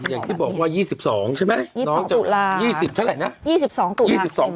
อย่างที่บอกว่า๒๒ใช่ไหม